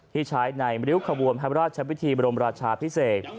ที่ใช้ในบริษัทความราชวิทธิบรมราชาพิเศษ